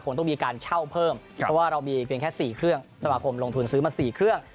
ต้องมีการเช่าเพิ่มเพราะว่าเรามีเพียงแค่๔เครื่องสมาคมลงทุนซื้อมา๔เครื่อง